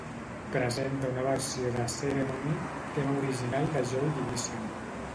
Presenta una versió de "Ceremony", tema original de Joy Division.